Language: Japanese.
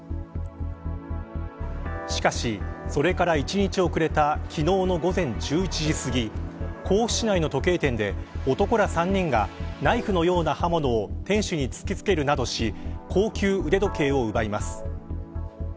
しかし、それから１日遅れた昨日の午前１１時すぎ甲府市内の時計店で、男ら３人がナイフのような刃物を店主に突き付けるなどし高級腕時計を奪います。